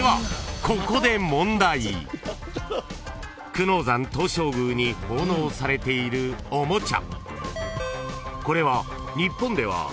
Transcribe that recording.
［久能山東照宮に奉納されているおもちゃ］